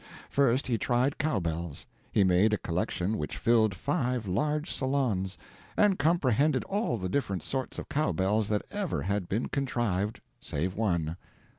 First he tried cow bells. He made a collection which filled five large salons, and comprehended all the different sorts of cow bells that ever had been contrived, save one.